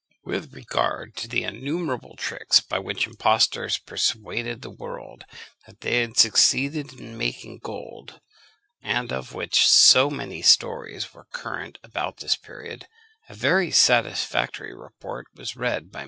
With regard to the innumerable tricks by which impostors persuaded the world that they had succeeded in making gold, and of which so many stories were current about this period, a very satisfactory report was read by M.